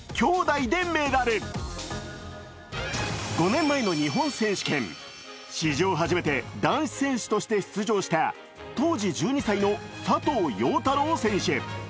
５年前の日本補選手権、史上初めて男子選手として出場した当時１２歳の佐藤陽太郎選手。